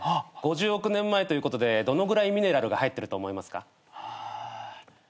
５０億年前ということでどのぐらいミネラルが入ってると思いますか？